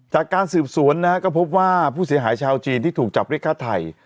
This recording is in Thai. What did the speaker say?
จากการสืบสวนนะฮะก็พบว่าผู้เสียหายชาวจีนที่ถูกจับเรียกฆ่าไทย